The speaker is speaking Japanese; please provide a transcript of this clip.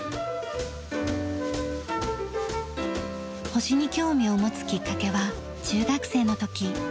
星に興味を持つきっかけは中学生の時。